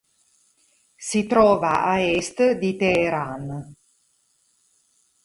Si trova a est di Teheran.